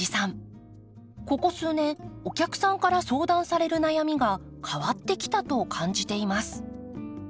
ここ数年お客さんから相談される悩みが変わってきたと感じています。